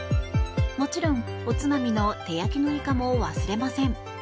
もちろん、おつまみの手焼きのイカも忘れません。